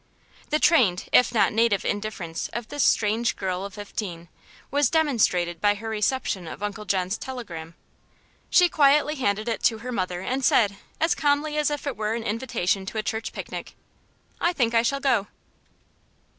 The trained if not native indifference of this strange girl of fifteen was demonstrated by her reception of Uncle John's telegram. She quietly handed it to her mother and said, as calmly as if it were an invitation to a church picnic: "I think I shall go."